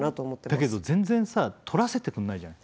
だけど全然撮らせてくんないじゃない。